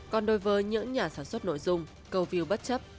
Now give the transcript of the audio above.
còn đối với những nhà sản xuất nội dung câu view bất chấp